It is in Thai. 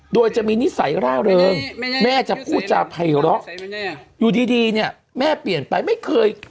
โดยจะมีนิสัยร่าเริงแม่จะพูดจาภัยเลาะอยู่ดีเนี่ยแม่เปลี่ยนไปไม่เคย